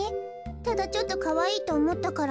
ただちょっとかわいいとおもったから。